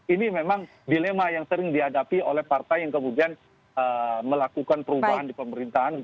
ini memang dilema yang sering dihadapi oleh partai yang kemudian melakukan perubahan di pemerintahan